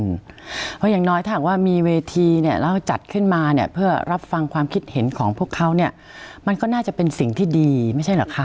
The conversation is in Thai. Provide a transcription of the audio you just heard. เพราะอย่างน้อยถ้าหากว่ามีเวทีเนี่ยแล้วจัดขึ้นมาเนี่ยเพื่อรับฟังความคิดเห็นของพวกเขาเนี่ยมันก็น่าจะเป็นสิ่งที่ดีไม่ใช่เหรอคะ